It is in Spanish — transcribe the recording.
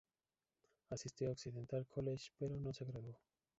Asistió a Occidental College, pero no se graduó.